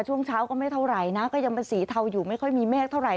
ช่วงเช้าก็ไม่เท่าไหร่นะก็ยังเป็นสีเทาอยู่ไม่ค่อยมีเมฆเท่าไห